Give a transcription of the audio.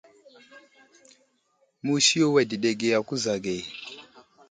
Musi yo adəɗege a kuza age.